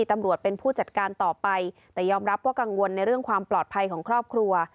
ตำรวจเป็นผู้จัดการต่อไปแต่ยอมรับว่ากังวลในเรื่องความปลอดภัยของครอบครัว